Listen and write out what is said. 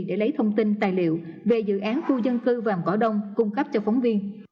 để lấy thông tin tài liệu về dự án khu dân cư vàng cỏ đông cung cấp cho phóng viên